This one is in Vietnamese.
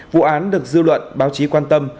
vụ án được dư luận báo chí quan tâm